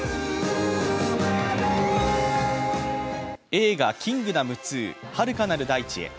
映画「キングダム２遥かなる大地へ」。